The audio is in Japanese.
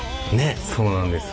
そうなんです。